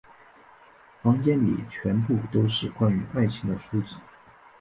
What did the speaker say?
房间里全部都是关于爱情的书籍。